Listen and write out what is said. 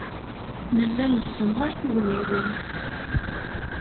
Nella nessemɣar tugniwin.